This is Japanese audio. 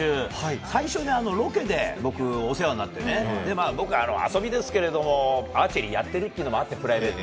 最初、ロケでお世話になって僕、遊びですけどもアーチェリーやっているというのもあってプライベートで。